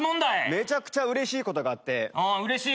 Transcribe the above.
めちゃくちゃうれしいことがあって。